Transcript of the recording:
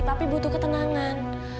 fadil butuh ketenangan